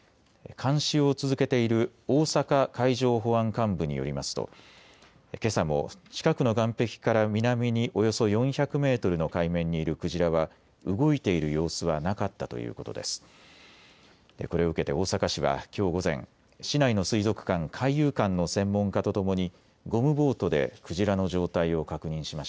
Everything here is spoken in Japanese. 監視を続けている大阪海上保安監部によりますとけさも近くの岸壁から南におよそ４００メートルの海面にいるクジラは動いている様子はなかったということです。